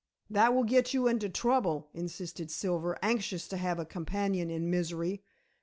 "That will get you into trouble," insisted Silver, anxious to have a companion in misery.